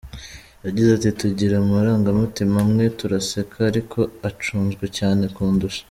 Yagize ati “Tugira amarangamutima amwe, turaseka ariko acunzwe cyane kundusha.